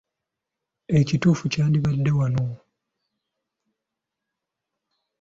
Ekituufu kyandibadde “wano.”